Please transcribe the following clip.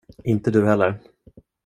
Inte du heller.